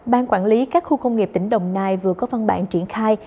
ban quản lý các khu công nghiệp tỉnh đồng nai vừa có văn bản triển khai